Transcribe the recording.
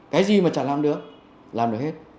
cái gì mà chẳng làm được làm được hết